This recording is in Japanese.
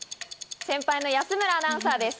先輩の安村アナウンサーです。